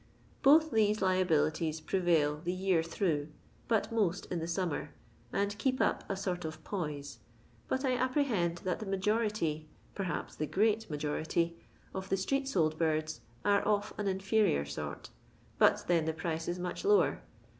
Both these liabilities pre vail the year through, but most in the summer, and keep up a sort of poise; but I apprehend that the majority, perhaps the great majority, of the street sold birds, are of an inferior sort, but then the price is much lower.